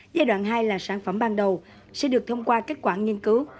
giai đoạn hai là sản phẩm ban đầu sẽ được thông qua các quản nghiên cứu